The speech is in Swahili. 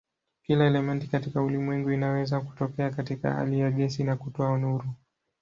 Kila elementi katika ulimwengu inaweza kutokea katika hali ya gesi na kutoa nuru.